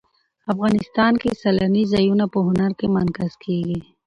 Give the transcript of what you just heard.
افغانستان کې سیلاني ځایونه په هنر کې منعکس کېږي.